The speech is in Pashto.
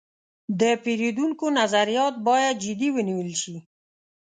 د پیرودونکو نظریات باید جدي ونیول شي.